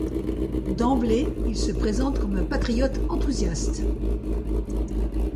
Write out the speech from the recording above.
D’emblée il se présente comme un patriote enthousiaste.